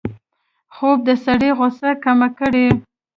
خوب د سړي غوسه کمه کړي